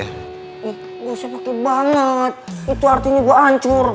nih gak usah pake banget itu artinya gue ancur